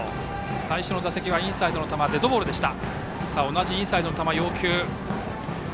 最初の打席はインサイドの球デッドボールでした。